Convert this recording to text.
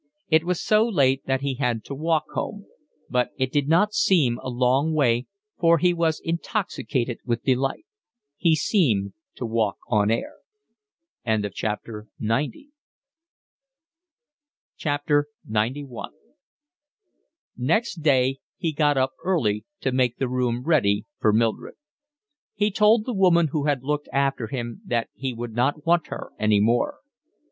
It was so late that he had to walk home, but it did not seem a long way, for he was intoxicated with delight; he seemed to walk on air. XCI Next day he got up early to make the room ready for Mildred. He told the woman who had looked after him that he would not want her any more.